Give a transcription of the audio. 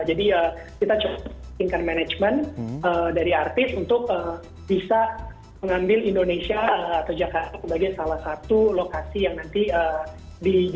jadi kita cukup inginkan manajemen dari artis untuk bisa mengambil indonesia atau jakarta sebagai salah satu lokasi yang nanti dijadikan lokasi untuk konsernya